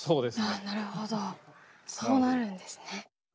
ああなるほどそうなるんですね。